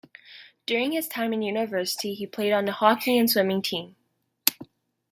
During his time in University, he played on the hockey and swimming team.